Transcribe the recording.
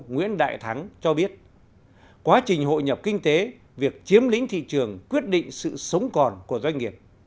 nguyễn đại thắng cho biết quá trình hội nhập kinh tế việc chiếm lĩnh thị trường quyết định sự sống còn của doanh nghiệp